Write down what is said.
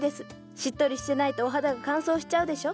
しっとりしてないとお肌が乾燥しちゃうでしょ？